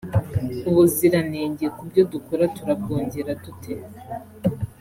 ubuziranenge ku byo dukora turabwongera dute